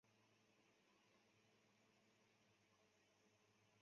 性功能障碍会对患者的性生活质量产生重大影响。